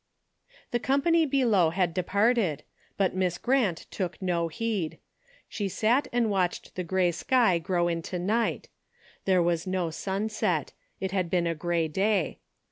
The company below had departed, but Miss Grant took no heed. She sat and watched the grey sky grow into night. There was no sunset. It had been a grey day.